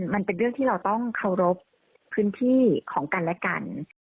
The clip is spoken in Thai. มันเป็นเรื่องที่เราต้องเคารพพื้นที่ของกันและกัน